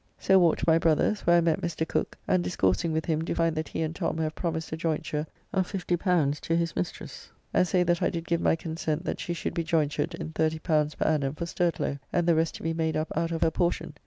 So walked to my brother's, where I met Mr. Cooke, and discoursing with him do find that he and Tom have promised a joynture of L50 to his mistress, and say that I did give my consent that she should be joyntured in L30 per ann. for Sturtlow, and the rest to be made up out of her portion.